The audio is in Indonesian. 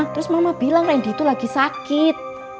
terus mama bilang randy itu lagi sakit